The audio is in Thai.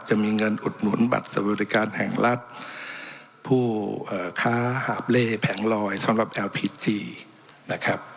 จะมีเงินอุดหนุนบัตรสวริการแห่งรัฐผู้เอ่อค้าหาบเลแผงลอยสำหรับนะครับ